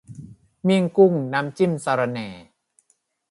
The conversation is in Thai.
เมี่ยงกุ้ง น้ำจิ้มสะระแหน่